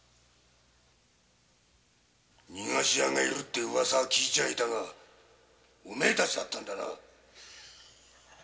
逃がし屋がいるって聞いてはいたがお前たちだったんだな？